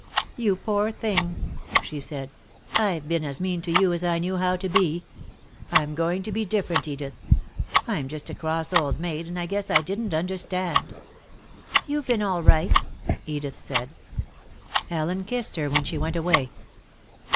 "You poor thing!" she said. "I've been as mean to you as I knew how to be. I'm going to be different, Edith. I'm just a cross old maid, and I guess I didn't understand." "You've been all right," Edith said. Ellen kissed her when she went away.